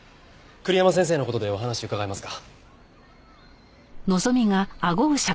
栗山先生の事でお話伺えますか？